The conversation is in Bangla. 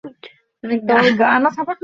তার খালাতো ভাই জানুয়ারি মাসে মৃত্যুবরণ করে।